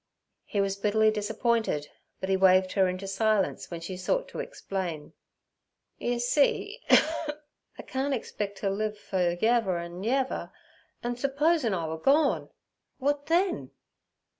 He was bitterly disappointed, but he waved her into silence when she sought to explain. 'Yer see, I carn't expec' t' live fer yever an' yever, an' surposin' I wur gorn, w'at then?'